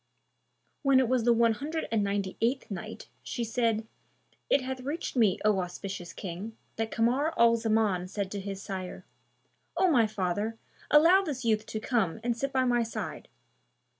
When it was the One Hundred and Ninety eighth Night, She said, It hath reached me, O auspicious King, that Kamar al Zaman said to his sire, "O my father, allow this youth to come and sit by my side."